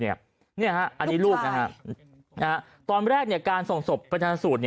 อันนี้ลูกตอนแรกการส่งศพไปชนะสูตร